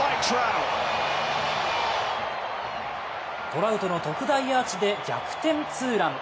トラウトの特大アーチで逆転ツーラン。